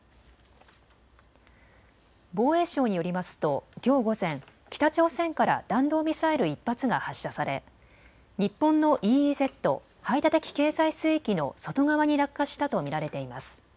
防衛省によりますときょう午前、北朝鮮から弾道ミサイル１発が発射され日本のＥＥＺ・排他的経済水域の外側に落下したと見られています。